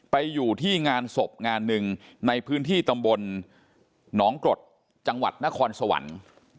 ไปอยู่ที่งานศพงานหนึ่งในพื้นที่ตำบลหนองกรดจังหวัดนครสวรรค์